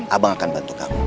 abang akan bantu kamu